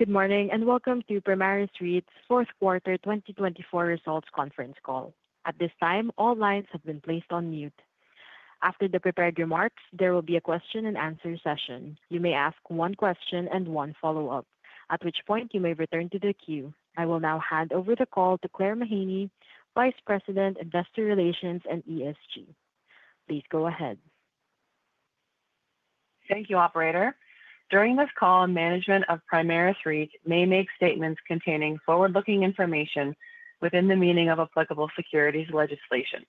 Good morning and welcome to Primaris REIT's Fourth Quarter 2024 Results Conference Call. At this time, all lines have been placed on mute. After the prepared remarks, there will be a question-and-answer session. You may ask one question and one follow-up, at which point you may return to the queue. I will now hand over the call to Claire Mahaney, Vice President, Investor Relations and ESG. Please go ahead. Thank you, Operator. During this call, management of Primaris REIT's may make statements containing forward-looking information within the meaning of applicable securities legislation.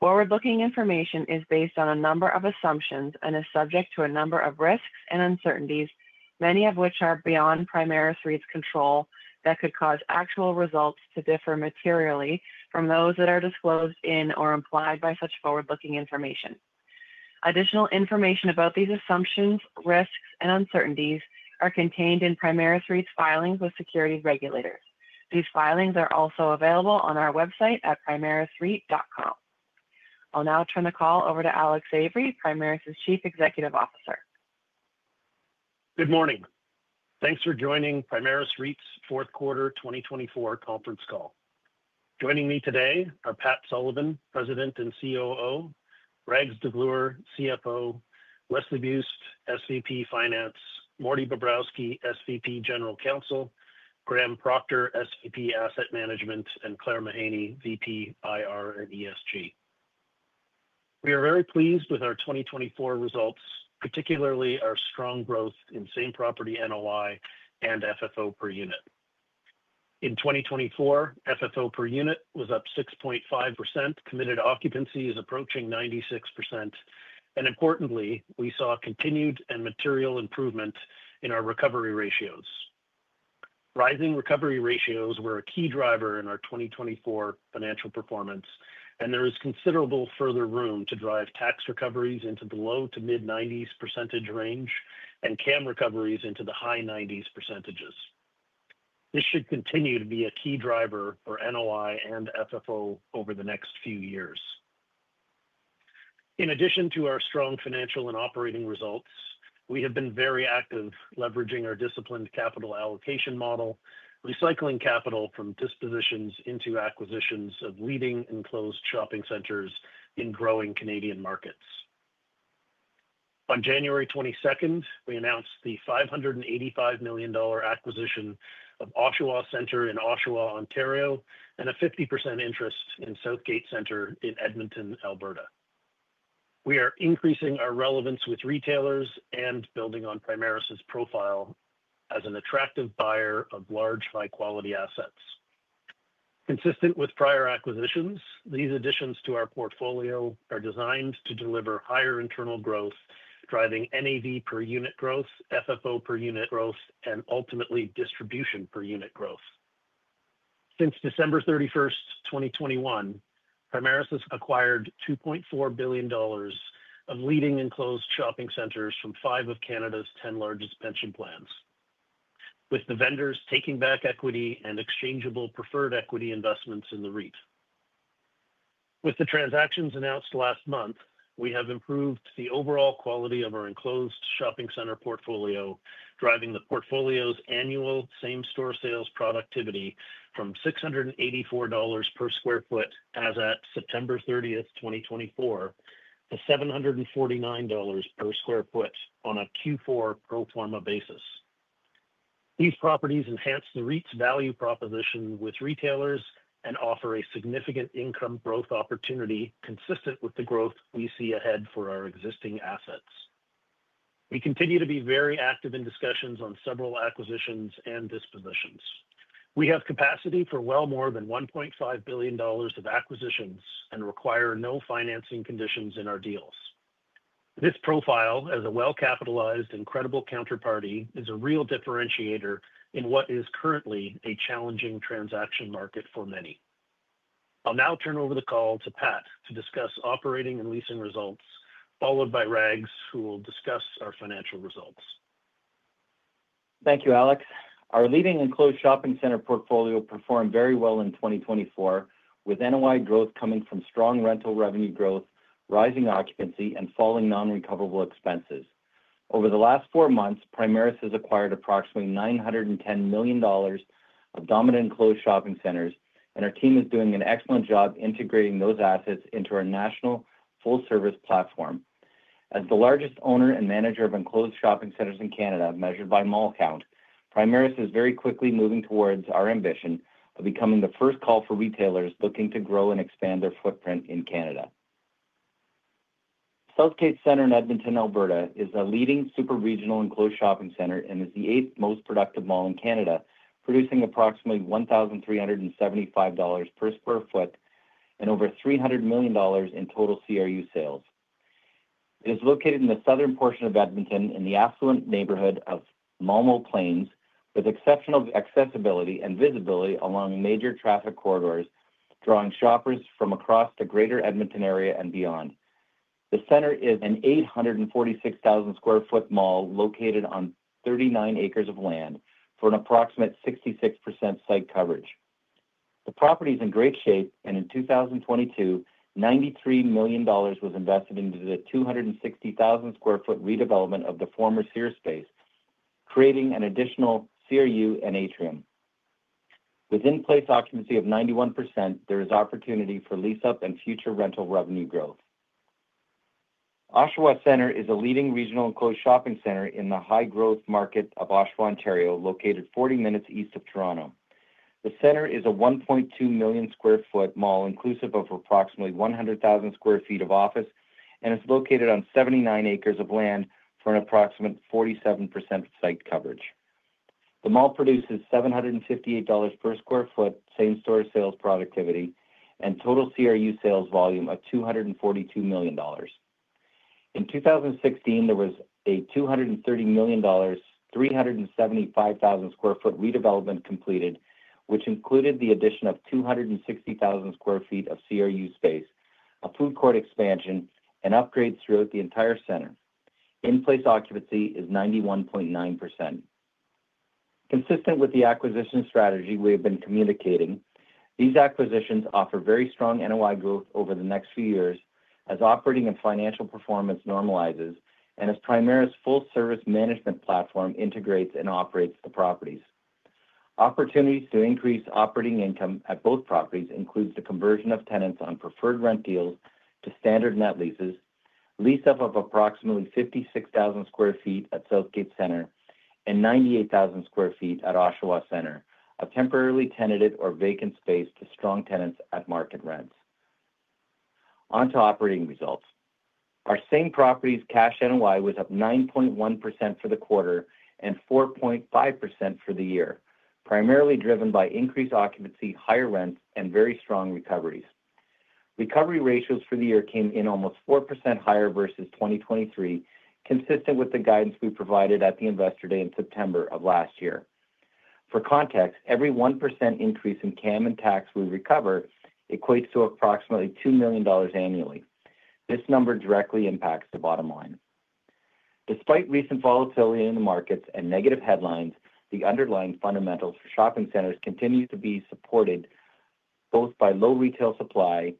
Forward-looking information is based on a number of assumptions and is subject to a number of risks and uncertainties, many of which are beyond Primaris REIT's control that could cause actual results to differ materially from those that are disclosed in or implied by such forward-looking information. Additional information about these assumptions, risks, and uncertainties are contained in Primaris Real Estate's filings with securities regulators. These filings are also available on our website at primarisrealestate.com. I'll now turn the call over to Alex Avery, Primaris Chief Executive Officer. Good morning. Thanks for joining Primaris REIT's Fourth Quarter 2024 Conference Call. Joining me today are Pat Sullivan, President and COO, Rags Davloor, CFO, Leslie Buist, SVP Finance, Morty Bobrowsky, SVP General Counsel, Graham Proctor, SVP Asset Management, and Claire Mahaney, VP, IR and ESG. We are very pleased with our 2024 results, particularly our strong growth in same property NOI and FFO per unit. In 2024, FFO per unit was up 6.5%. Committed occupancy is approaching 96%. Importantly, we saw continued and material improvement in our recovery ratios. Rising recovery ratios were a key driver in our 2024 financial performance, and there is considerable further room to drive tax recoveries into the low- to mid-90s percentage range and CAM recoveries into the high 90s percentages. This should continue to be a key driver for NOI and FFO over the next few years. In addition to our strong financial and operating results, we have been very active leveraging our disciplined capital allocation model, recycling capital from dispositions into acquisitions of leading enclosed shopping centers in growing Canadian markets. On January 22nd, we announced the $585 million acquisition of Oshawa Centre in Oshawa, Ontario, and a 50% interest in Southgate Centre in Edmonton, Alberta. We are increasing our relevance with retailers and building on Primaris Real Estate's profile as an attractive buyer of large, high-quality assets. Consistent with prior acquisitions, these additions to our portfolio are designed to deliver higher internal growth, driving NAV per unit growth, FFO per unit growth, and ultimately distribution per unit growth. Since December 31st, 2021, Primaris Real Estate acquired $2.4 billion of leading enclosed shopping centers from five of Canada's ten largest pension plans, with the vendors taking back equity and exchangeable preferred equity investments in the REIT. With the transactions announced last month, we have improved the overall quality of our enclosed shopping center portfolio, driving the portfolio's annual same-store sales productivity from $684 per sq ft as at September 30th, 2024, to $749 per sq ft on a Q4 pro forma basis. These properties enhance the REIT's value proposition with retailers and offer a significant income growth opportunity consistent with the growth we see ahead for our existing assets. We continue to be very active in discussions on several acquisitions and dispositions. We have capacity for well more than $1.5 billion of acquisitions and require no financing conditions in our deals. This profile, as a well-capitalized and credible counterparty, is a real differentiator in what is currently a challenging transaction market for many. I'll now turn over the call to Pat to discuss operating and leasing results, followed by Rags, who will discuss our financial results. Thank you, Alex. Our leading enclosed shopping center portfolio performed very well in 2024, with NOI growth coming from strong rental revenue growth, rising occupancy, and falling non-recoverable expenses. Over the last four months, Primaris has acquired approximately $910 million of dominant enclosed shopping centers, and our team is doing an excellent job integrating those assets into our national full-service platform. As the largest owner and manager of enclosed shopping centers in Canada, measured by mall count, Primaris is very quickly moving towards our ambition of becoming the first call for retailers looking to grow and expand their footprint in Canada. Southgate Centre in Edmonton, Alberta, is a leading super-regional enclosed shopping center and is the eighth most productive mall in Canada, producing approximately $1,375 per sq ft and over $300 million in total CRU sales. It is located in the southern portion of Edmonton in the affluent neighbourhood of Malmö Plains, with exceptional accessibility and visibility along major traffic corridors, drawing shoppers from across the greater Edmonton area and beyond. The centre is an 846,000 sq ft mall located on 39 acres of land for an approximate 66% site coverage. The property is in great shape, and in 2022, $93 million was invested into the 260,000 sq ft redevelopment of the former Sears space, creating an additional CRU and atrium. With in-place occupancy of 91%, there is opportunity for lease-up and future rental revenue growth. Oshawa Centre is a leading regional enclosed shopping centre in the high-growth market of Oshawa, Ontario, located 40 minutes east of Toronto. The centre is a 1.2 million sq ft mall, inclusive of approximately 100,000 sq ft of office, and is located on 79 acres of land for an approximate 47% site coverage. The mall produces $758 per sq ft same-store sales productivity and total CRU sales volume of $242 million. In 2016, there was a $230 million, 375,000 sq ft redevelopment completed, which included the addition of 260,000 sq ft of CRU space, a food court expansion, and upgrades throughout the entire centre. In-place occupancy is 91.9%. Consistent with the acquisition strategy we have been communicating, these acquisitions offer very strong NOI growth over the next few years as operating and financial performance normalizes and as Primaris Real Estate's full-service management platform integrates and operates the properties. Opportunities to increase operating income at both properties include the conversion of tenants on preferred rent deals to standard net leases, lease-up of approximately 56,000 sq ft at Southgate Centre and 98,000 sq ft at Oshawa Centre, a temporarily tenanted or vacant space to strong tenants at market rents. On to operating results. Our same property's cash NOI was up 9.1% for the quarter and 4.5% for the year, primarily driven by increased occupancy, higher rents, and very strong recoveries. Recovery ratios for the year came in almost 4% higher versus 2023, consistent with the guidance we provided at the Investor Day in September of last year. For context, every 1% increase in CAM and tax we recover equates to approximately $2 million annually. This number directly impacts the bottom line. Despite recent volatility in the markets and negative headlines, the underlying fundamentals for shopping centers continue to be supported both by low retail supply,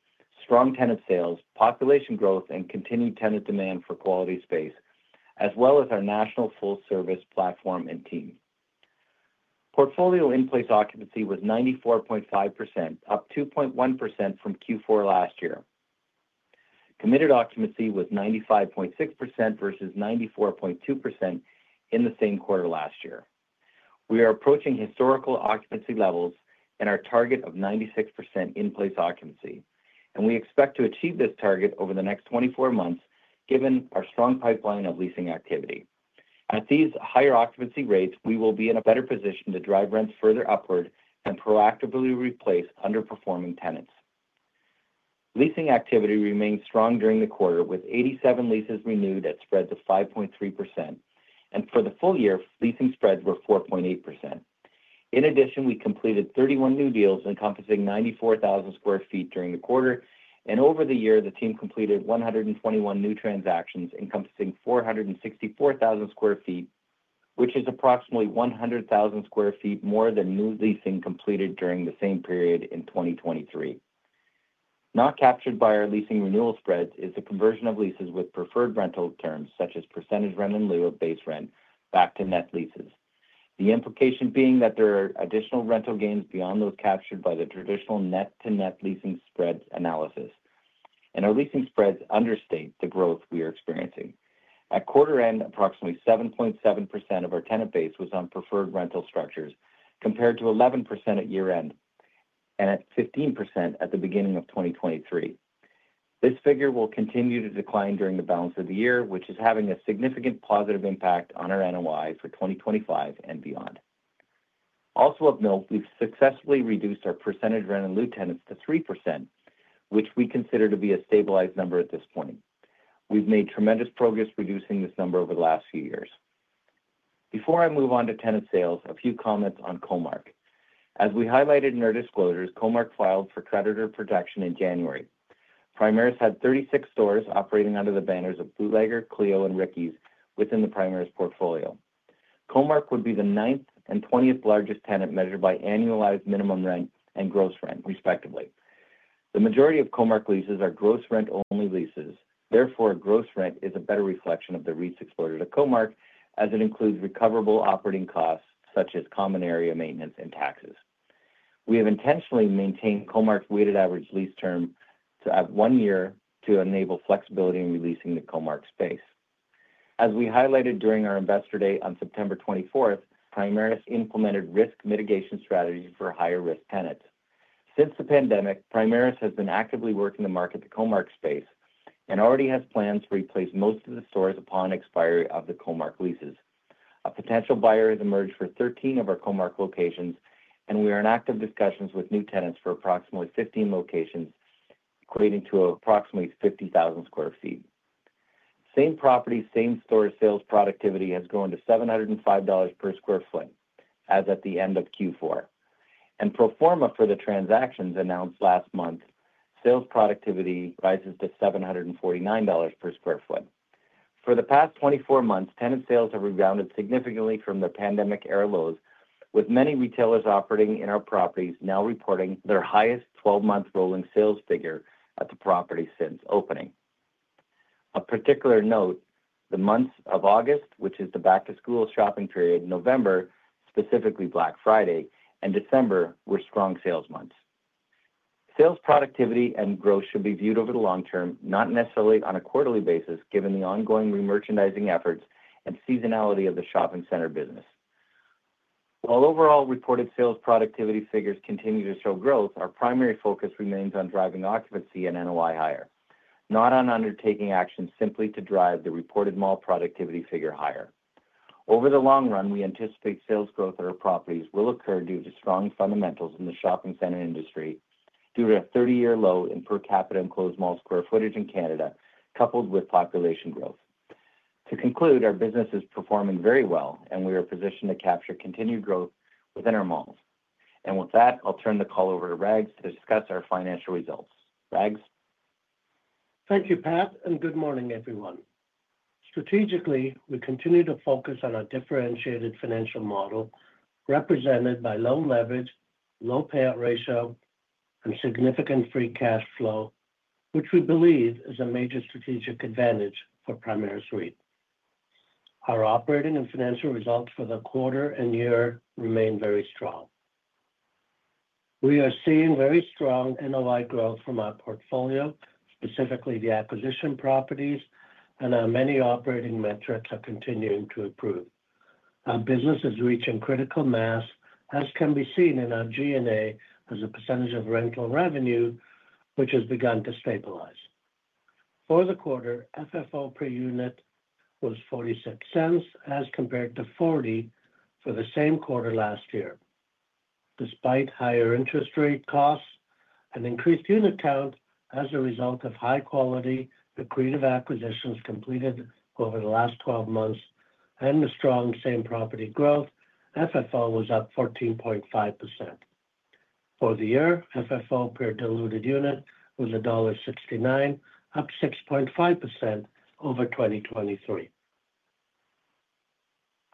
strong tenant sales, population growth, and continued tenant demand for quality space, as well as our national full-service platform and team. Portfolio in-place occupancy was 94.5%, up 2.1% from Q4 last year. Committed occupancy was 95.6% versus 94.2% in the same quarter last year. We are approaching historical occupancy levels and our target of 96% in-place occupancy, and we expect to achieve this target over the next 24 months given our strong pipeline of leasing activity. At these higher occupancy rates, we will be in a better position to drive rents further upward and proactively replace underperforming tenants. Leasing activity remained strong during the quarter, with 87 leases renewed at spreads of 5.3%, and for the full year, leasing spreads were 4.8%. In addition, we completed 31 new deals encompassing 94,000 sq ft during the quarter, and over the year, the team completed 121 new transactions encompassing 464,000 sq ft, which is approximately 100,000 sq ft more than new leasing completed during the same period in 2023. Not captured by our leasing renewal spreads is the conversion of leases with preferred rental terms, such as percentage rent and step-up base rent, back to net leases, the implication being that there are additional rental gains beyond those captured by the traditional net-to-net leasing spread analysis, and our leasing spreads understate the growth we are experiencing. At quarter end, approximately 7.7% of our tenant base was on preferred rental structures, compared to 11% at year-end and at 15% at the beginning of 2023. This figure will continue to decline during the balance of the year, which is having a significant positive impact on our NOI for 2025 and beyond. Also of note, we've successfully reduced our percentage rent and holdover tenants to 3%, which we consider to be a stabilized number at this point. We've made tremendous progress reducing this number over the last few years. Before I move on to tenant sales, a few comments on Comark. As we highlighted in our disclosures, Comark filed for creditor protection in January. Primaris had 36 stores operating under the banners of Bootlegger, Cleo, and Ricki's within the Primaris portfolio. Comark would be the ninth and twentieth largest tenant measured by annualized minimum rent and gross rent, respectively. The majority of Comark leases are gross rent-only leases. Therefore, gross rent is a better reflection of the REIT's exposure to Comark, as it includes recoverable operating costs such as common area maintenance and taxes. We have intentionally maintained Comark's weighted average lease term to have one year to enable flexibility in releasing the Comark space. As we highlighted during our Investor Day on September 24th, Primaris implemented risk mitigation strategies for higher-risk tenants. Since the pandemic, Primaris has been actively working to market the Comark space and already has plans to replace most of the stores upon expiry of the Comark leases. A potential buyer has emerged for 13 of our Comark locations, and we are in active discussions with new tenants for approximately 15 locations equating to approximately 50,000 sq ft. Same property's same-store sales productivity has grown to $705 per sq ft as at the end of Q4. Pro forma for the transactions announced last month, sales productivity rises to $749 per sq ft. For the past 24 months, tenant sales have rebounded significantly from the pandemic-era lows, with many retailers operating in our properties now reporting their highest 12-month rolling sales figure at the property since opening. Of particular note, the months of August, which is the back-to-school shopping period, November, specifically Black Friday, and December were strong sales months. Sales productivity and growth should be viewed over the long term, not necessarily on a quarterly basis, given the ongoing re-merchandising efforts and seasonality of the shopping center business. While overall reported sales productivity figures continue to show growth, our primary focus remains on driving occupancy and NOI higher, not on undertaking actions simply to drive the reported mall productivity figure higher. Over the long run, we anticipate sales growth at our properties will occur due to strong fundamentals in the shopping center industry, due to a 30-year low in per capita enclosed mall square footage in Canada, coupled with population growth. To conclude, our business is performing very well, and we are positioned to capture continued growth within our malls. And with that, I'll turn the call over to Rags to discuss our financial results. Rags? Thank you, Pat, and good morning, everyone. Strategically, we continue to focus on our differentiated financial model represented by low leverage, low payout ratio, and significant free cash flow, which we believe is a major strategic advantage for Primaris Real Estate. Our operating and financial results for the quarter and year remain very strong. We are seeing very strong NOI growth from our portfolio, specifically the acquisition properties, and our many operating metrics are continuing to improve. Our business has reached a critical mass, as can be seen in our G&A as a percentage of rental revenue, which has begun to stabilize. For the quarter, FFO per unit was $0.46 as compared to $0.40 for the same quarter last year. Despite higher interest rate costs and increased unit count as a result of high-quality accretive acquisitions completed over the last 12 months and the strong same-property growth, FFO was up 14.5%. For the year, FFO per diluted unit was $1.69, up 6.5% over 2023.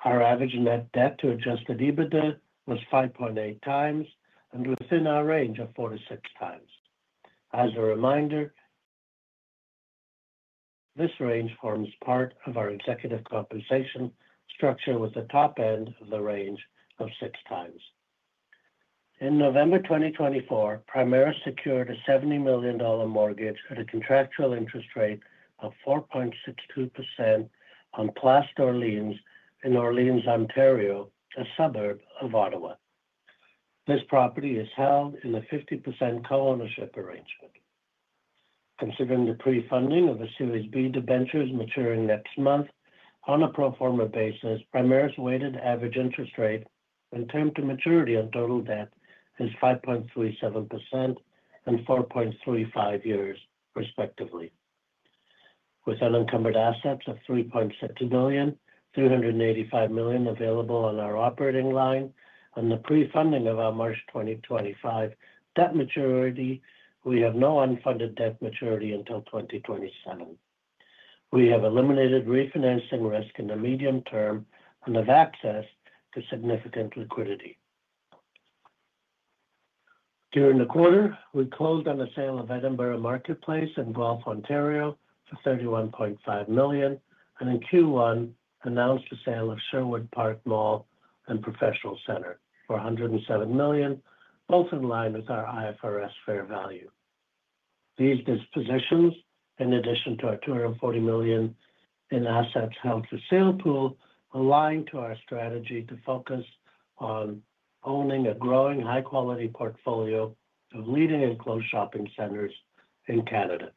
Our average net debt to adjusted EBITDA was 5.8 times and within our range of 4 to 6 times. As a reminder, this range forms part of our executive compensation structure with a top end of the range of 6 times. In November 2024, Primaris secured a $70 million mortgage at a contractual interest rate of 4.62% on Place d'Orléans in Orleans, Ontario, a suburb of Ottawa. This property is held in a 50% co-ownership arrangement. Considering the pre-funding of a Series B debentures maturing next month, on a pro forma basis, Primaris' weighted average interest rate and term to maturity on total debt is 5.37% and 4.35 years, respectively. With unencumbered assets of $3.62 million, $385 million available on our operating line, and the pre-funding of our March 2025 debt maturity, we have no unfunded debt maturity until 2027. We have eliminated refinancing risk in the medium term and have access to significant liquidity. During the quarter, we closed on a sale of Edinburgh Market Place in Guelph, Ontario, for $31.5 million, and in Q1 announced a sale of Sherwood Park Mall and Professional Centre for $107 million, both in line with our IFRS fair value. These dispositions, in addition to our $240 million in assets held for sale pool, align to our strategy to focus on owning a growing high-quality portfolio of leading enclosed shopping centres in Canada.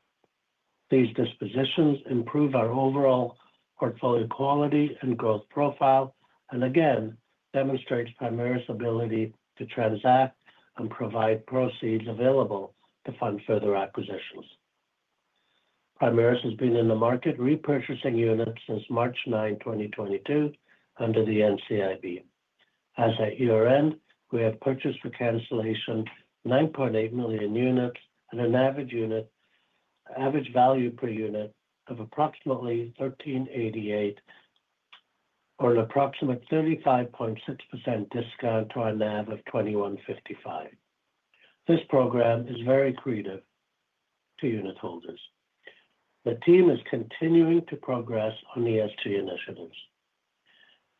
These dispositions improve our overall portfolio quality and growth profile and again demonstrate Primaris' ability to transact and provide proceeds available to fund further acquisitions. Primaris has been in the market repurchasing units since March 9, 2022, under the NCIB. As at year-end, we have purchased for cancellation 9.8 million units at an average value per unit of approximately $1,388 or an approximate 35.6% discount to our NAV of $2,155. This program is very accretive to unitholders. The team is continuing to progress on ESG initiatives.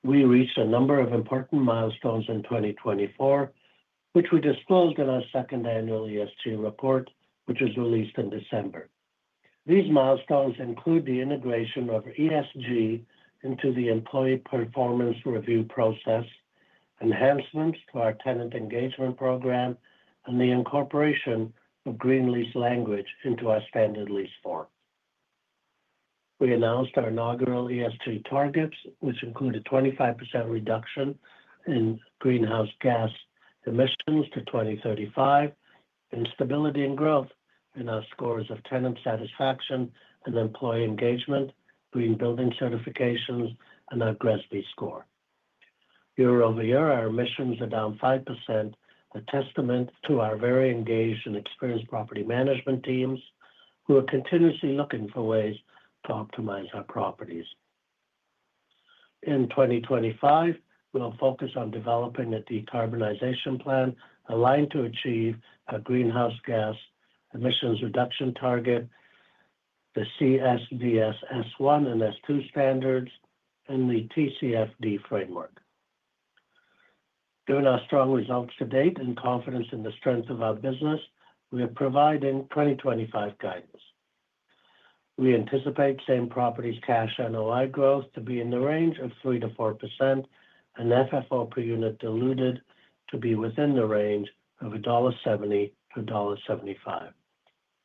We reached a number of important milestones in 2024, which we disclosed in our second annual ESG report, which was released in December. These milestones include the integration of ESG into the employee performance review process, enhancements to our tenant engagement program, and the incorporation of Green Lease language into our standard lease form. We announced our inaugural ESG targets, which included a 25% reduction in greenhouse gas emissions to 2035, stability and growth in our scores of tenant satisfaction and employee engagement, Green Building Certifications, and our GRESB score. Year over year, our emissions are down 5%, a testament to our very engaged and experienced property management teams who are continuously looking for ways to optimize our properties. In 2025, we'll focus on developing a decarbonization plan aligned to achieve our greenhouse gas emissions reduction target, the CSVS S1 and S2 standards, and the TCFD framework. Given our strong results to date and confidence in the strength of our business, we are providing 2025 guidance. We anticipate same-property cash NOI growth to be in the range of 3%-4% and FFO per unit diluted to be within the range of $1.70-$1.75.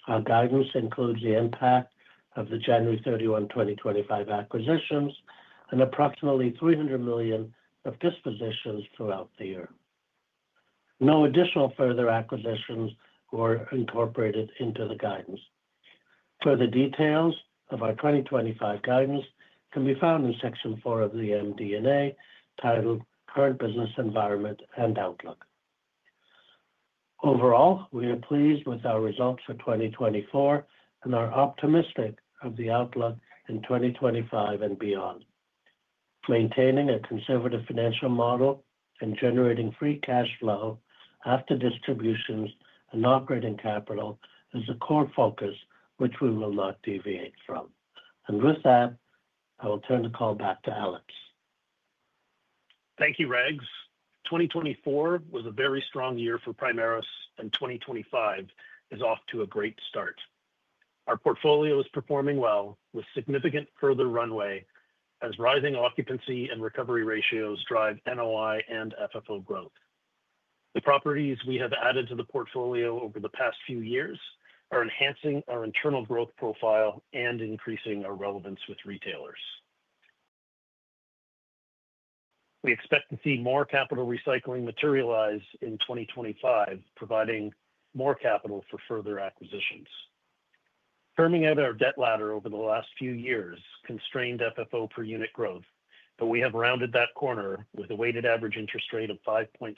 Our guidance includes the impact of the January 31, 2025 acquisitions and approximately $300 million of dispositions throughout the year. No additional further acquisitions were incorporated into the guidance. Further details of our 2025 guidance can be found in Section 4 of the MD&A titled "Current Business Environment and Outlook." Overall, we are pleased with our results for 2024 and are optimistic of the outlook in 2025 and beyond. Maintaining a conservative financial model and generating free cash flow after distributions and operating capital is a core focus which we will not deviate from. And with that, I will turn the call back to Alex. Thank you, Rags. 2024 was a very strong year for Primaris, and 2025 is off to a great start. Our portfolio is performing well, with significant further runway as rising occupancy and recovery ratios drive NOI and FFO growth. The properties we have added to the portfolio over the past few years are enhancing our internal growth profile and increasing our relevance with retailers. We expect to see more capital recycling materialize in 2025, providing more capital for further acquisitions. Firming out our debt ladder over the last few years constrained FFO per unit growth, but we have rounded that corner with a weighted average interest rate of 5.3%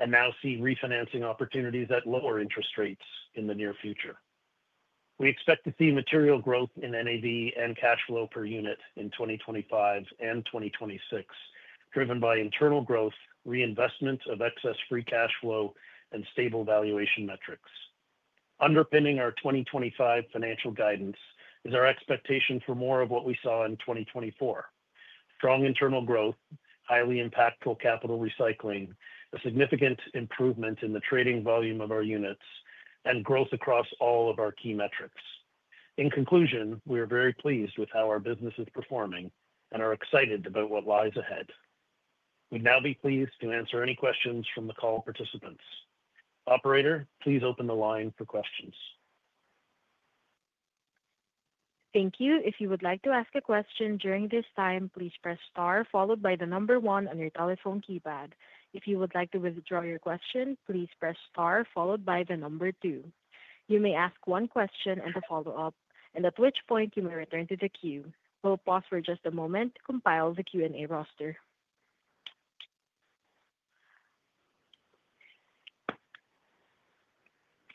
and now see refinancing opportunities at lower interest rates in the near future. We expect to see material growth in NAV and cash flow per unit in 2025 and 2026, driven by internal growth, reinvestment of excess free cash flow, and stable valuation metrics. Underpinning our 2025 financial guidance is our expectation for more of what we saw in 2024: strong internal growth, highly impactful capital recycling, a significant improvement in the trading volume of our units, and growth across all of our key metrics. In conclusion, we are very pleased with how our business is performing and are excited about what lies ahead. We'd now be pleased to answer any questions from the call participants. Operator, please open the line for questions. Thank you. If you would like to ask a question during this time, please press star followed by the number one on your telephone keypad. If you would like to withdraw your question, please press star followed by the number two. You may ask one question and a follow-up, and at which point you may return to the queue. We'll pause for just a moment to compile the Q&A roster.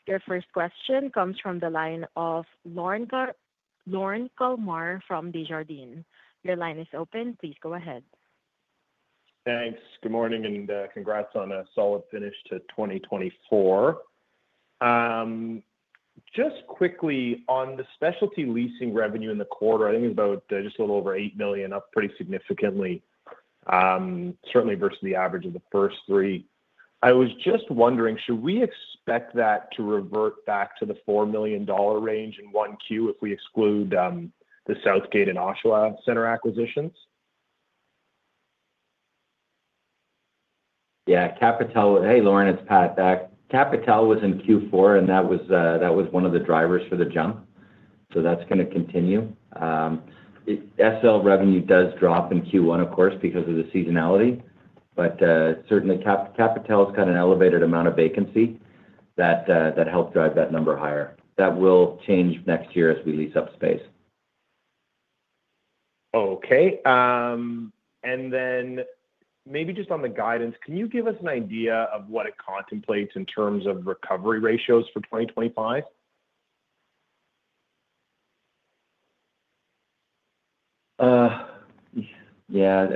Your first question comes from the line of Lorne Kalmar from Desjardins. Your line is open. Please go ahead. Thanks. Good morning and congrats on a solid finish to 2024. Just quickly, on the specialty leasing revenue in the quarter, I think it was about just a little over $8 million, up pretty significantly, certainly versus the average of the first three. I was just wondering, should we expect that to revert back to the $4 million range in Q1 if we exclude the Southgate Centre and Oshawa Centre acquisitions? Yeah. Hey, Lorne, it's Pat back. Capitale was in Q4, and that was one of the drivers for the jump. So that's going to continue. SL revenue does drop in Q1, of course, because of the seasonality, but certainly Capitale's got an elevated amount of vacancy that helped drive that number higher. That will change next year as we lease up space. Okay. And then maybe just on the guidance, can you give us an idea of what it contemplates in terms of recovery ratios for 2025? Yeah.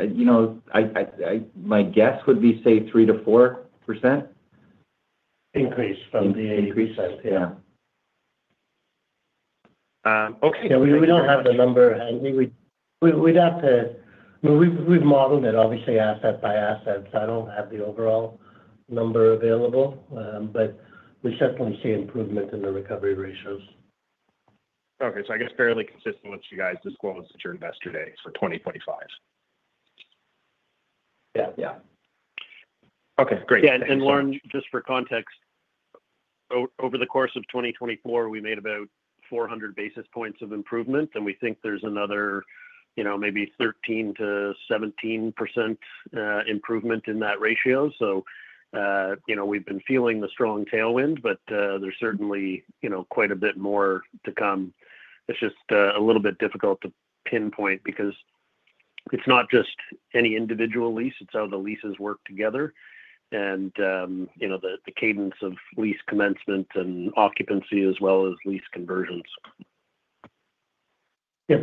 My guess would be, say, 3%-4%. Increase Increase, yeah. Okay. Yeah. We don't have the number. We'd have to—we've modeled it, obviously, asset by asset. So I don't have the overall number available, but we certainly see improvement in the recovery ratios. Okay. So I guess fairly consistent with what you guys disclosed at your Investor Day for 2025. Yeah. Yeah. Okay. Great. And Lorne, just for context, over the course of 2024, we made about 400 basis points of improvement, and we think there's another maybe 13%-17% improvement in that ratio. So we've been feeling the strong tailwind, but there's certainly quite a bit more to come. It's just a little bit difficult to pinpoint because it's not just any individual lease; it's how the leases work together and the cadence of lease commencement and occupancy as well as lease conversions. Yeah.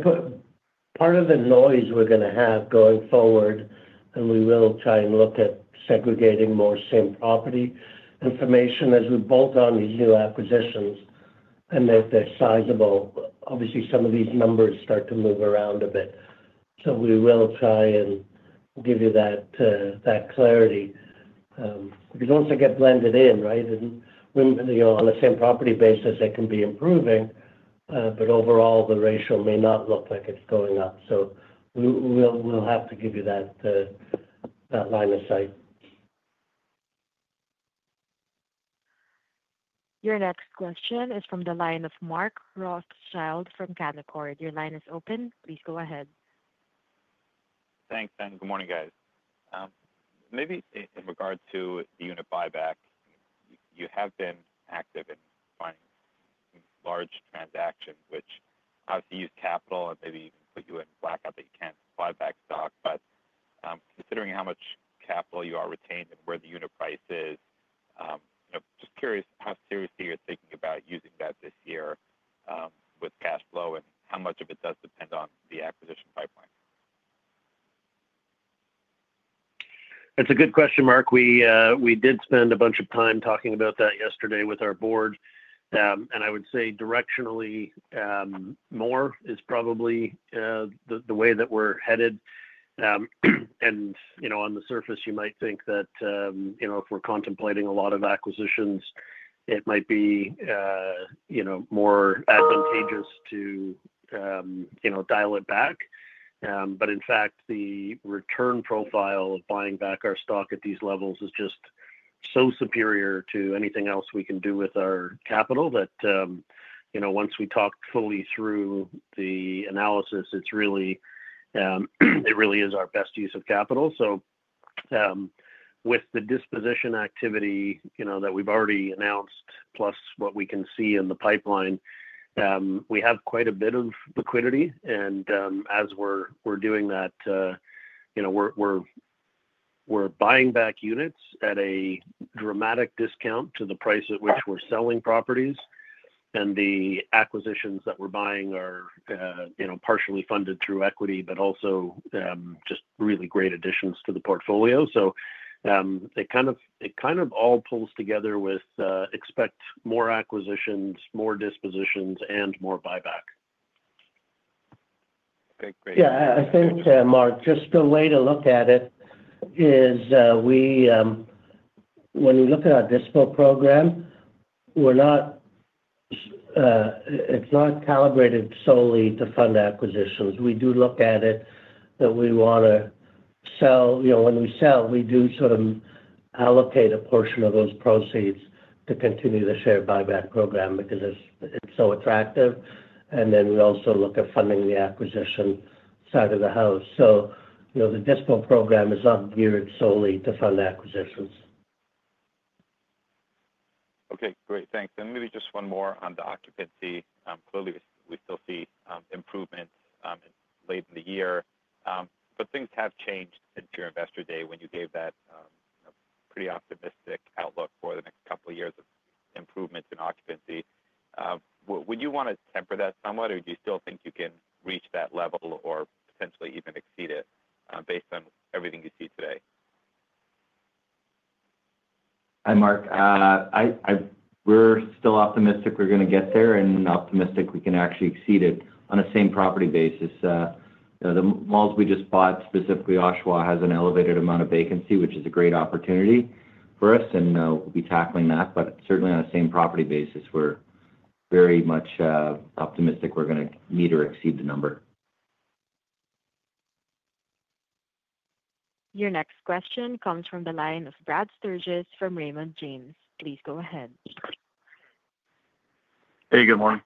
Part of the noise we're going to have going forward, and we will try and look at segregating more same-property information as we bolt on these new acquisitions and make them sizable. Obviously, some of these numbers start to move around a bit. So we will try and give you that clarity. Because once they get blended in, right, on a same-property basis, it can be improving, but overall, the ratio may not look like it's going up. So we'll have to give you that line of sight. Your next question is from the line of Mark Rothschild from Canaccord. Your line is open. Please go ahead. Thanks, and good morning, guys. Maybe in regard to the unit buyback, you have been active in large transactions, which obviously use capital and maybe even put you in blackout that you can't buy back stock. But considering how much capital you have retained and where the unit price is, just curious how seriously you're thinking about using that this year with cash flow and how much of it does depend on the acquisition pipeline. That's a good question, Mark. We did spend a bunch of time talking about that yesterday with our board, and I would say directionally more is probably the way that we're headed. And on the surface, you might think that if we're contemplating a lot of acquisitions, it might be more advantageous to dial it back. But in fact, the return profile of buying back our stock at these levels is just so superior to anything else we can do with our capital that once we talk fully through the analysis, it really is our best use of capital. So with the disposition activity that we've already announced, plus what we can see in the pipeline, we have quite a bit of liquidity. And as we're doing that, we're buying back units at a dramatic discount to the price at which we're selling properties. And the acquisitions that we're buying are partially funded through equity, but also just really great additions to the portfolio. So it kind of all pulls together with expect more acquisitions, more dispositions, and more buyback. Okay. Great. Yeah. I think, Mark, just the way to look at it is when we look at our dispo program, it's not calibrated solely to fund acquisitions. We do look at it that we want to sell. When we sell, we do sort of allocate a portion of those proceeds to continue the share buyback program because it's so attractive. And then we also look at funding the acquisition side of the house. So the dispo program is not geared solely to fund acquisitions. Okay. Great. Thanks. And maybe just one more on the occupancy. Clearly, we still see improvements late in the year, but things have changed at your Investor Day when you gave that pretty optimistic outlook for the next couple of years of improvements in occupancy. Would you want to temper that somewhat, or do you still think you can reach that level or potentially even exceed it based on everything you see today? Hi, Mark. We're still optimistic we're going to get there and optimistic we can actually exceed it on a same-property basis. The malls we just bought, specifically Oshawa, has an elevated amount of vacancy, which is a great opportunity for us, and we'll be tackling that. But certainly, on a same-property basis, we're very much optimistic we're going to meet or exceed the number. Your next question comes from the line of Brad Sturges from Raymond James. Please go ahead. Hey, good morning.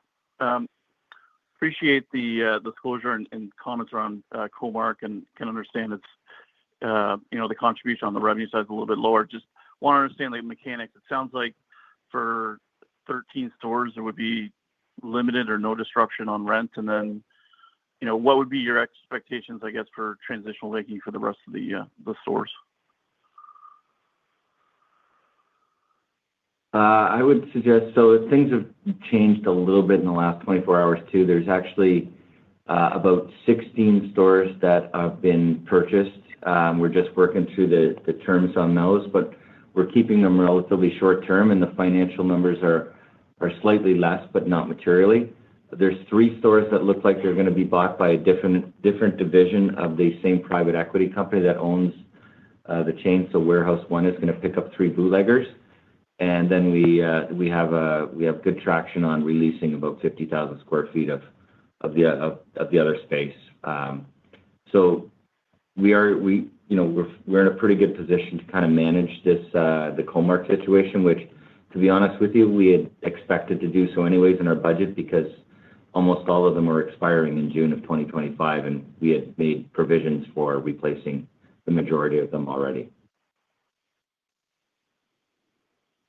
Appreciate the disclosure and comments around Comark and can understand the contribution on the revenue side is a little bit lower. Just want to understand the mechanics. It sounds like for 13 stores, there would be limited or no disruption on rent. And then what would be your expectations, I guess, for transitional making for the rest of the stores? I would suggest so things have changed a little bit in the last 24 hours too. There's actually about 16 stores that have been purchased. We're just working through the terms on those, but we're keeping them relatively short-term, and the financial numbers are slightly less, but not materially. There's three stores that look like they're going to be bought by a different division of the same private equity company that owns the chain. So Warehouse One is going to pick up three Bootleggers. And then we have good traction on releasing about 50,000 sq ft of the other space. We're in a pretty good position to kind of manage the Comark situation, which, to be honest with you, we had expected to do so anyways in our budget because almost all of them are expiring in June of 2025, and we had made provisions for replacing the majority of them already.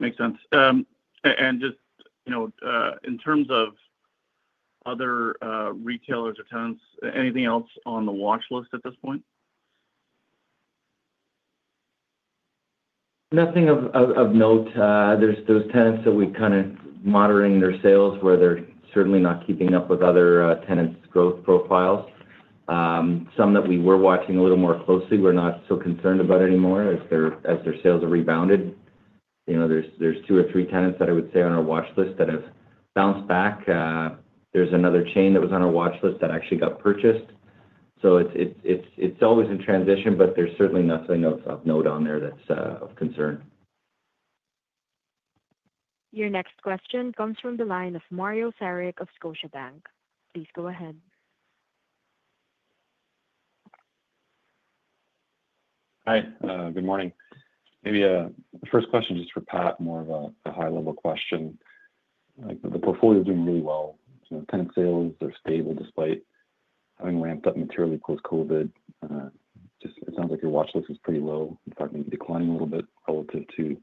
Makes sense. And just in terms of other retailers or tenants, anything else on the watch list at this point? Nothing of note. There's those tenants that we kind of monitoring their sales where they're certainly not keeping up with other tenants' growth profiles. Some that we were watching a little more closely, we're not so concerned about anymore as their sales are rebounded. There's two or three tenants that I would say on our watch list that have bounced back. There's another chain that was on our watch list that actually got purchased. So it's always in transition, but there's certainly nothing of note on there that's of concern. Your next question comes from the line of Mario Saric of Scotiabank. Please go ahead. Hi. Good morning. Maybe the first question just for Pat, more of a high-level question. The portfolio is doing really well. Tenant sales, they're stable despite having ramped up materially post-COVID. It sounds like your watch list is pretty low, in fact, maybe declining a little bit relative to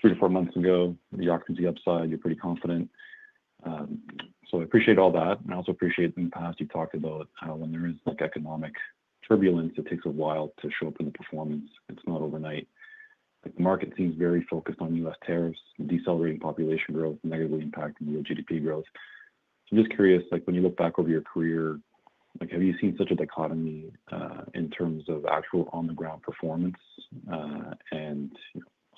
three to four months ago. The occupancy upside, you're pretty confident. So I appreciate all that. And I also appreciate in the past you talked about how when there is economic turbulence, it takes a while to show up in the performance. It's not overnight. The market seems very focused on U.S. tariffs, decelerating population growth, negatively impacting real GDP growth. So I'm just curious, when you look back over your career, have you seen such a dichotomy in terms of actual on-the-ground performance and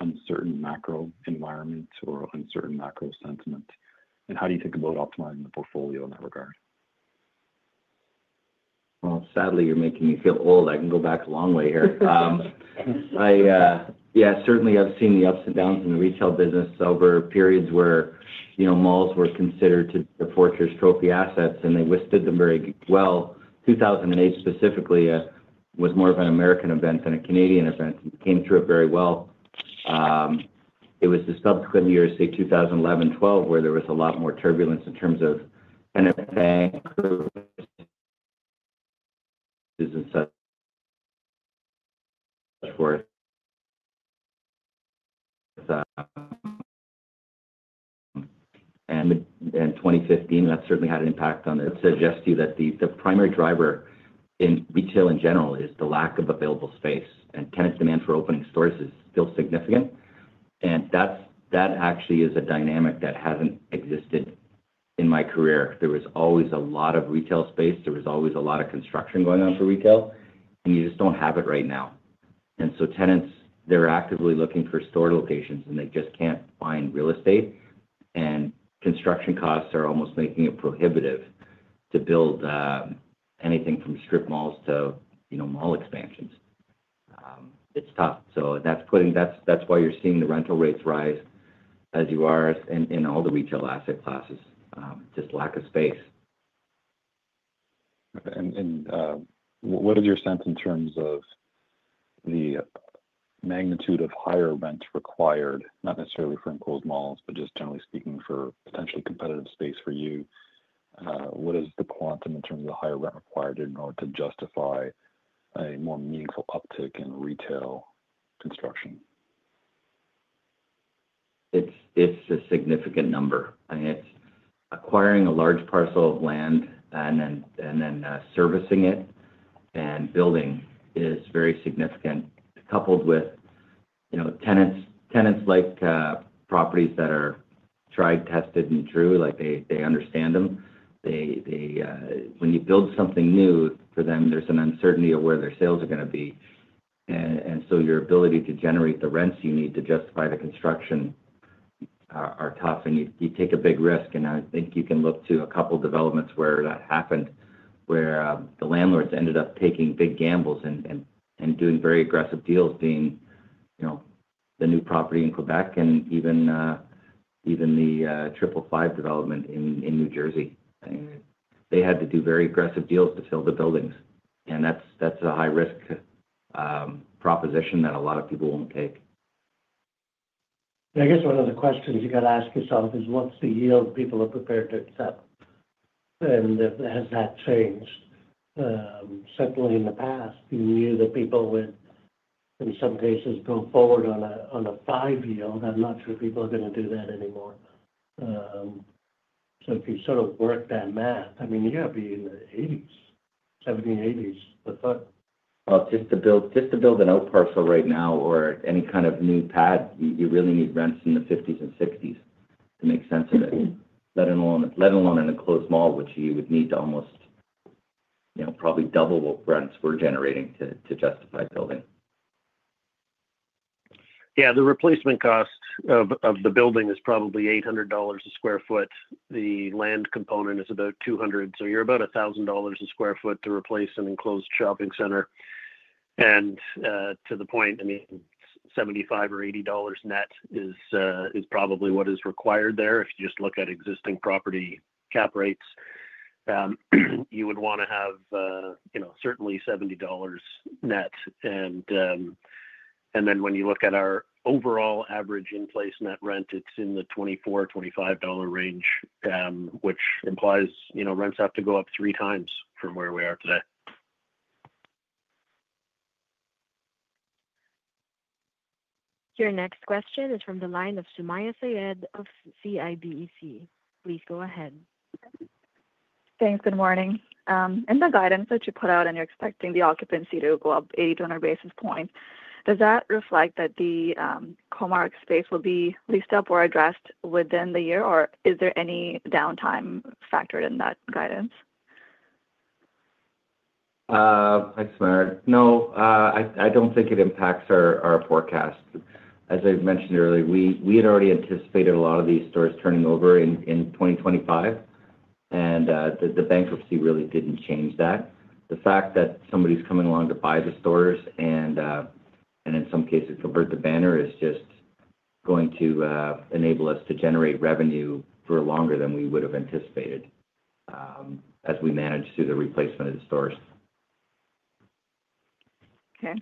uncertain macro environment or uncertain macro sentiment? How do you think about optimizing the portfolio in that regard? Sadly, you're making me feel old. I can go back a long way here. Yeah, certainly, I've seen the ups and downs in the retail business over periods where malls were considered to be Fortune's trophy assets, and they whisked them very well. 2008 specifically was more of an American event than a Canadian event. It came through it very well. It was the subsequent years, say 2011, 2012, where there was a lot more turbulence in terms of NFA and 2015, and that certainly had an impact. Suggest to you that the primary driver in retail in general is the lack of available space, and tenant demand for opening stores is still significant. That actually is a dynamic that hasn't existed in my career. There was always a lot of retail space. There was always a lot of construction going on for retail, and you just don't have it right now, and so tenants, they're actively looking for store locations, and they just can't find real estate, and construction costs are almost making it prohibitive to build anything from strip malls to mall expansions. It's tough, so that's why you're seeing the rental rates rise as you are in all the retail asset classes, just lack of space. Okay. And what is your sense in terms of the magnitude of higher rent required, not necessarily for enclosed malls, but just generally speaking for potentially competitive space for you? What is the quantum in terms of the higher rent required in order to justify a more meaningful uptick in retail construction? It's a significant number. I mean, acquiring a large parcel of land and then servicing it and building is very significant, coupled with tenants like properties that are tried, tested, and true. They understand them. When you build something new for them, there's an uncertainty of where their sales are going to be. And so your ability to generate the rents you need to justify the construction are tough, and you take a big risk. And I think you can look to a couple of developments where that happened, where the landlords ended up taking big gambles and doing very aggressive deals, being the new property in Quebec and even the Triple Five development in New Jersey. They had to do very aggressive deals to fill the buildings. And that's a high-risk proposition that a lot of people won't take. I guess one of the questions you got to ask yourself is, what's the yield people are prepared to accept? And has that changed? Certainly, in the past, you knew that people would, in some cases, go forward on a five-year. I'm not sure people are going to do that anymore. So if you sort of work that math, I mean, you have to be in the 7s and 8s with foot. Just to build an out parcel right now or any kind of new pad, you really need rents in the 50s and 60s to make sense of it, let alone an enclosed mall, which you would need to almost probably double what rents we're generating to justify building. Yeah. The replacement cost of the building is probably $800/sq ft. The land component is about $200. So you're about $1,000/sq ft to replace an enclosed shopping center. And to the point, I mean, $75-$80 net is probably what is required there. If you just look at existing property cap rates, you would want to have certainly $70 net. And then when you look at our overall average in-place net rent, it's in the $24-$25 range, which implies rents have to go up three times from where we are today. Your next question is from the line of Sumayya Syed of CIBC. Please go ahead. Thanks. Good morning. In the guidance that you put out and you're expecting the occupancy to go up 80-100 basis points, does that reflect that the Comark space will be leased up or addressed within the year, or is there any downtime factor in that guidance? Thanks, Mary. No, I don't think it impacts our forecast. As I mentioned earlier, we had already anticipated a lot of these stores turning over in 2025, and the bankruptcy really didn't change that. The fact that somebody's coming along to buy the stores and, in some cases, convert the banner is just going to enable us to generate revenue for longer than we would have anticipated as we manage through the replacement of the stores. Okay.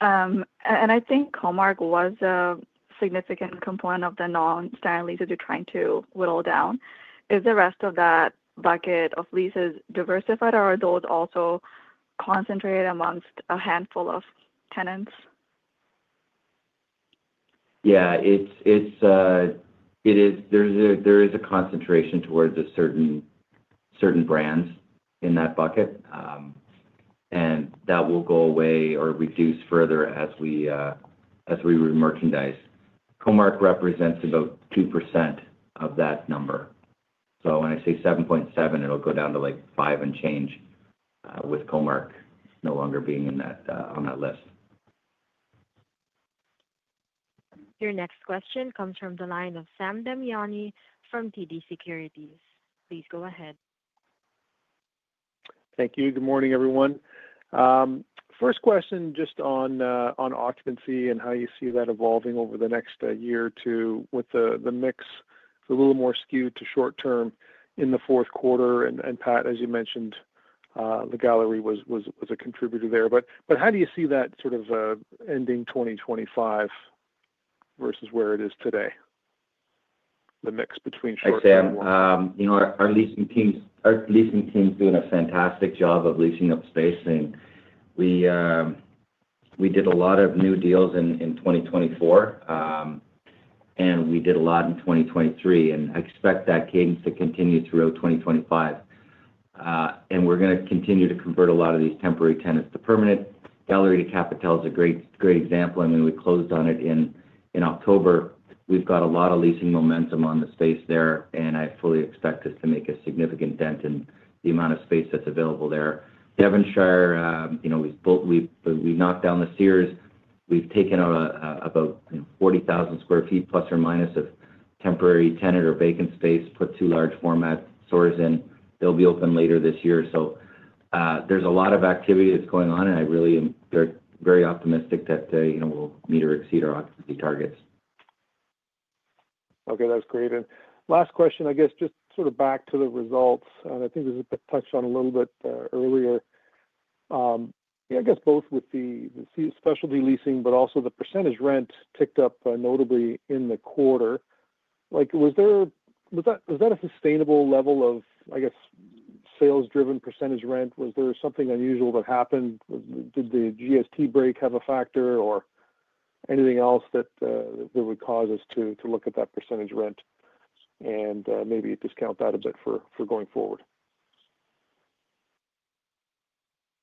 And I think Comark was a significant component of the non-standard leases you're trying to whittle down. Is the rest of that bucket of leases diversified, or are those also concentrated amongst a handful of tenants? Yeah. There is a concentration towards certain brands in that bucket, and that will go away or reduce further as we re-merchandise. Comark represents about 2% of that number, so when I say 7.7, it'll go down to like 5 and change with Comark no longer being on that list. Your next question comes from the line of Sam Damiani from TD Securities. Please go ahead. Thank you. Good morning, everyone. First question just on occupancy and how you see that evolving over the next year or two with the mix a little more skewed to short-term in the fourth quarter. And Pat, as you mentioned, the gallery was a contributor there. But how do you see that sort of ending 2025 versus where it is today, the mix between short-term? I'd say our leasing teams are doing a fantastic job of leasing up space. We did a lot of new deals in 2024, and we did a lot in 2023. And I expect that cadence to continue throughout 2025. And we're going to continue to convert a lot of these temporary tenants to permanent. Galeries de la Capitale is a great example. I mean, we closed on it in October. We've got a lot of leasing momentum on the space there, and I fully expect us to make a significant dent in the amount of space that's available there. Devonshire, we've knocked down the Sears. We've taken out about 40,000 sq ft plus or minus of temporary tenant or vacant space, put two large format stores in. They'll be open later this year. So there's a lot of activity that's going on, and I really am very optimistic that we'll meet or exceed our occupancy targets. Okay. That's great. And last question, I guess, just sort of back to the results. And I think this has been touched on a little bit earlier. I guess both with the specialty leasing, but also the percentage rent ticked up notably in the quarter. Was that a sustainable level of, I guess, sales-driven percentage rent? Was there something unusual that happened? Did the GST break have a factor or anything else that would cause us to look at that percentage rent and maybe discount that a bit for going forward?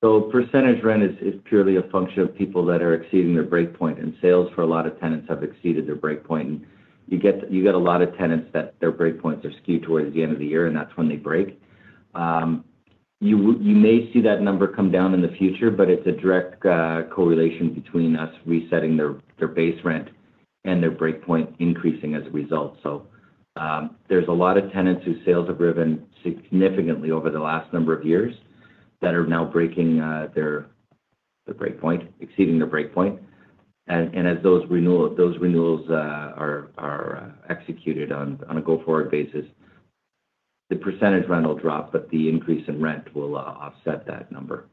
So percentage rent is purely a function of people that are exceeding their breakpoint, and sales for a lot of tenants have exceeded their breakpoint. And you get a lot of tenants that their breakpoints are skewed towards the end of the year, and that's when they break. You may see that number come down in the future, but it's a direct correlation between us resetting their base rent and their breakpoint increasing as a result. So there's a lot of tenants whose sales have risen significantly over the last number of years that are now breaking their breakpoint, exceeding their breakpoint. And as those renewals are executed on a go-forward basis, the percentage rent will drop, but the increase in rent will offset that number.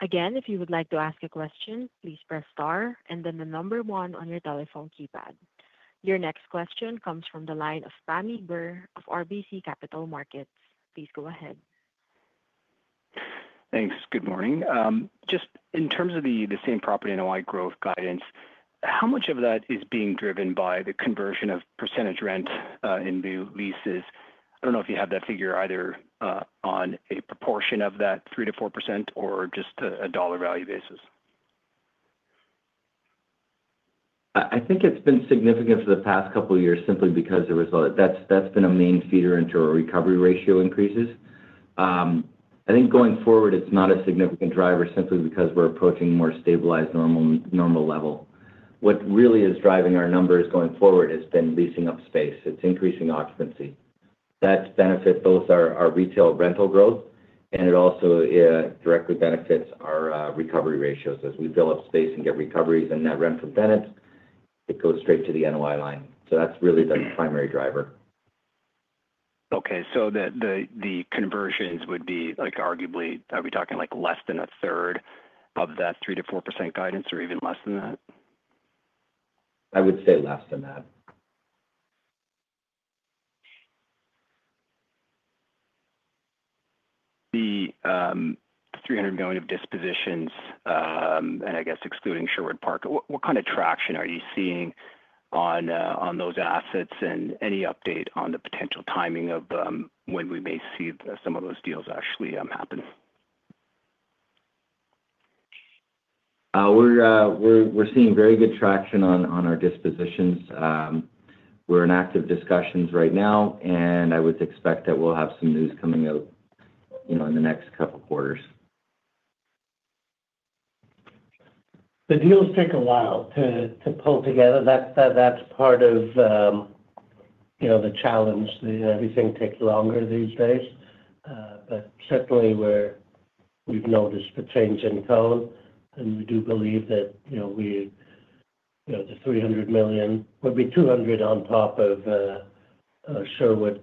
Again, if you would like to ask a question, please press star and then the number one on your telephone keypad. Your next question comes from the line of Pammi Bir of RBC Capital Markets. Please go ahead. Thanks. Good morning. Just in terms of the same-property NOI growth guidance, how much of that is being driven by the conversion of percentage rent in new leases? I don't know if you have that figure either on a proportion of that 3%-4% or just a dollar value basis. I think it's been significant for the past couple of years simply because that's been a main feeder into our recovery ratio increases. I think going forward, it's not a significant driver simply because we're approaching a more stabilized normal level. What really is driving our numbers going forward has been leasing up space. It's increasing occupancy. That benefits both our retail rental growth, and it also directly benefits our recovery ratios. As we fill up space and get recoveries and net rent from tenants, it goes straight to the NOI line. So that's really the primary driver. Okay. So the conversions would be arguably we're talking less than a third of that 3%-4% guidance or even less than that? I would say less than that. The $300 million of dispositions, and I guess excluding Sherwood Park, what kind of traction are you seeing on those assets and any update on the potential timing of when we may see some of those deals actually happen? We're seeing very good traction on our dispositions. We're in active discussions right now, and I would expect that we'll have some news coming out in the next couple of quarters. The deals take a while to pull together. That's part of the challenge. Everything takes longer these days. But certainly, we've noticed the change in tone, and we do believe that the $300 million would be $200 on top of Sherwood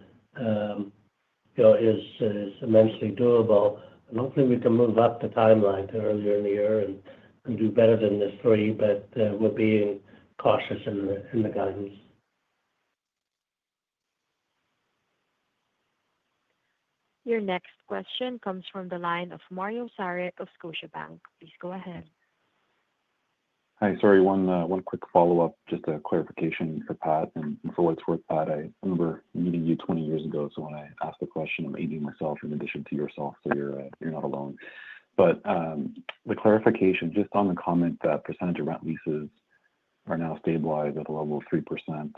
is immensely doable. Hopefully, we can move up the timeline to earlier in the year and do better than this three, but we're being cautious in the guidance. Your next question comes from the line of Mario Saric of Scotiabank. Please go ahead. Hi, sorry. One quick follow-up, just a clarification for Pat and, for what it's worth, Pat. I remember meeting you 20 years ago, so when I asked the question, I'm asking myself in addition to yourself, so you're not alone. But the clarification just on the comment that percentage rent leases are now stabilized at a level of 3%,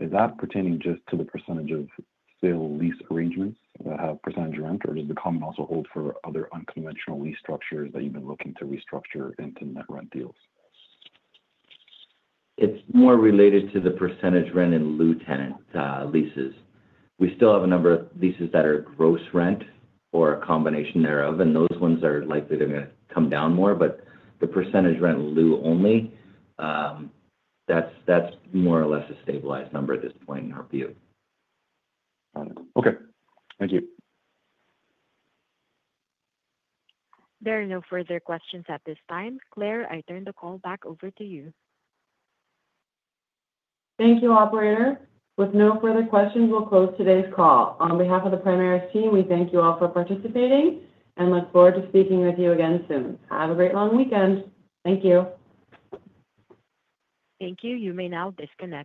is that pertaining just to the percentage-of-sales lease arrangements that have percentage rent, or does the comment also hold for other unconventional lease structures that you've been looking to restructure into net rent deals? It's more related to the percentage rent in lieu tenant leases. We still have a number of leases that are gross rent or a combination thereof, and those ones are likely to come down more. But the percentage rent in lieu only, that's more or less a stabilized number at this point in our view. Got it. Okay. Thank you. There are no further questions at this time. Claire, I turn the call back over to you. Thank you, operator. With no further questions, we'll close today's call. On behalf of the Primaris team, we thank you all for participating and look forward to speaking with you again soon. Have a great long weekend. Thank you. Thank you. You may now disconnect.